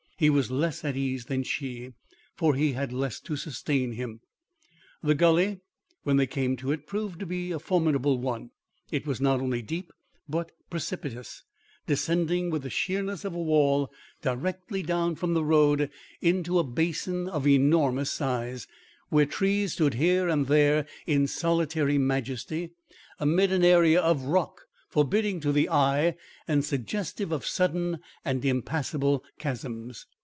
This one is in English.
He was less at ease than she; for he had less to sustain him. The gully, when they came to it, proved to be a formidable one. It was not only deep but precipitous, descending with the sheerness of a wall directly down from the road into a basin of enormous size, where trees stood here and there in solitary majesty, amid an area of rock forbidding to the eye and suggestive of sudden and impassable chasms.